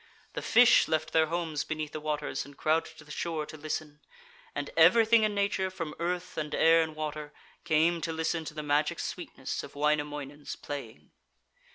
The fish left their homes beneath the waters and crowded to the shore to listen. And everything in nature, from earth and air and water, came to listen to the magic sweetness of Wainamoinen's playing.